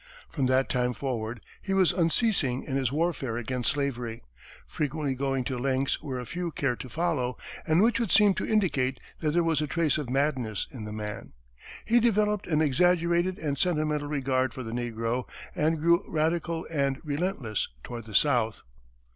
From that time forward, he was unceasing in his warfare against slavery, frequently going to lengths where few cared to follow, and which would seem to indicate that there was a trace of madness in the man. He developed an exaggerated and sentimental regard for the negro, and grew radical and relentless toward the South.